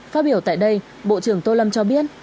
phát biểu tại đây bộ trưởng tô lâm cho biết